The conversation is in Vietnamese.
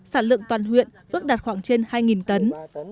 sản lượng toàn huyện ước đạt khoảng trên hai tấn